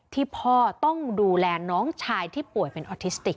ที่พ่อต้องดูแลน้องชายที่ป่วยเป็นออทิสติก